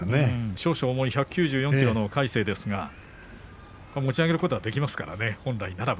少々重い１９４ｋｇの魁聖ですが、持ち上げることはできますからね、本来ならば。